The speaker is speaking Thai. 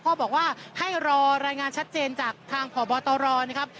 ก็บอกว่าให้รอรายงานชัดเจนจากทางพบตรนะครับ